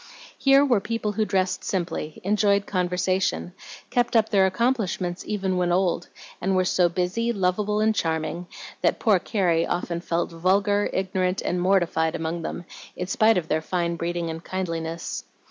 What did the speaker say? Here were people who dressed simply, enjoyed conversation, kept up their accomplishments even when old, and were so busy, lovable, and charming, that poor Carrie often felt vulgar, ignorant, and mortified among them, in spite of their fine breeding and kindliness.